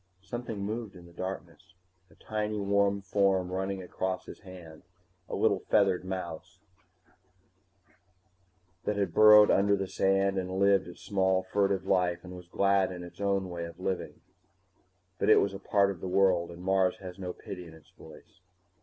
_ Something moved in the darkness, a tiny warm form running across his hand, a little feathered mouse like thing that burrowed under the sand and lived its small fugitive life and was glad in its own way of living. But it was a part of a world, and Mars has no pity in its voice.